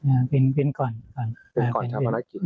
อ่าเป็นเป็นก่อนเป็นก่อนเช้าพนักกิจ